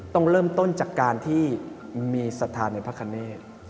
ต้องเริ่มต้นจากการที่มีศรัทธาในพระคเนต